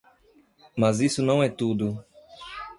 Mas isso não é tudo.